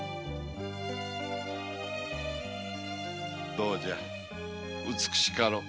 どうじゃ美しかろう。